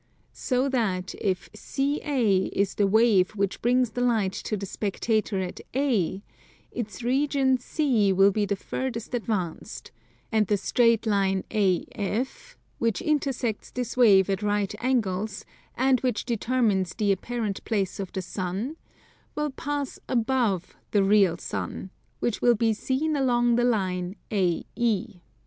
So that if CA is the wave which brings the light to the spectator at A, its region C will be the furthest advanced; and the straight line AF, which intersects this wave at right angles, and which determines the apparent place of the Sun, will pass above the real Sun, which will be seen along the line AE.